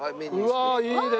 うわいいね。